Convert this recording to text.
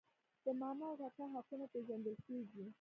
د ماما او کاکا حقونه پیژندل کیږي.